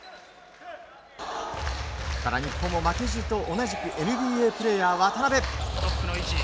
ただ日本も負けじと同じくＮＢＡプレーヤー渡邊。